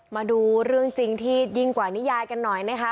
มาดูเรื่องจริงที่ยิ่งกว่านิยายกันหน่อยนะคะ